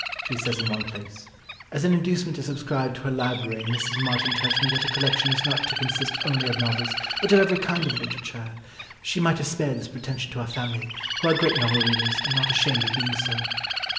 She says in one place, "As an inducement to subscribe (to her library) Mrs. Martin tells me that her collection is not to consist only of novels but of every kind of literature. She might have spared this pretension to our family, who are great novel readers and not ashamed of being so."